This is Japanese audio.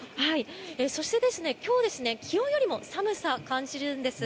そして、今日気温よりも寒さを感じるんです。